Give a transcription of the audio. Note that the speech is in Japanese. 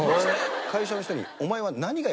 会社の人に。